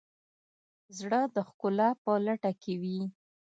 زړه د ښکلا په لټه وي.